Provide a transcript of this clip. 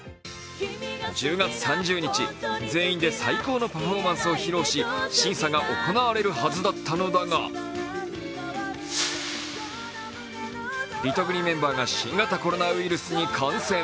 １０月３０日、全員で最高のパフォーマンスを披露し審査が行われるはずだったのだがリトグリメンバーが新型コロナウイルスに感染。